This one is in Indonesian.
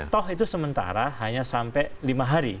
toh itu sementara hanya sampai lima hari